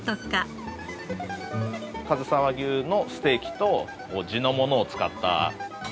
かずさ和牛のステーキと地のものを使った。